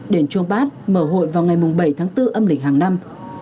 đền chuông bát mở hội vào ngày bảy tháng bốn âm lịch hàng năm